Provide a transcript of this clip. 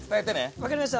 わかりました！